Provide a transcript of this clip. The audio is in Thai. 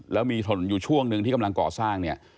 แล้วมีถนนอยู่ช่วงหนึ่งที่กำลังก่อสร้างเนี่ย